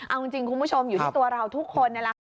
เอาจริงคุณผู้ชมอยู่ที่ตัวเราทุกคน